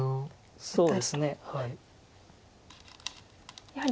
そうですねはい。